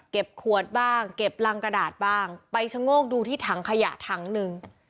ขวดบ้างเก็บรังกระดาษบ้างไปชะโงกดูที่ถังขยะถังหนึ่ง